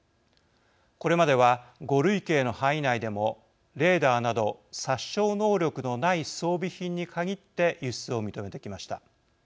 これまでは５類型の範囲内でもレーダーなど殺傷能力のない装備品に限って輸出を認めてきました。